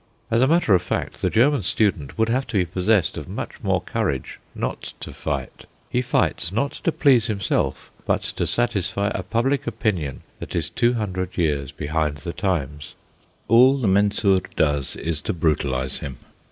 As a matter of fact, the German student would have to be possessed of much more courage not to fight. He fights not to please himself, but to satisfy a public opinion that is two hundred years behind the times. All the Mensur does is to brutalise him.